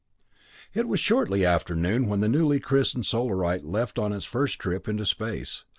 III It was shortly after noon when the newly christened Solarite left on its first trip into space.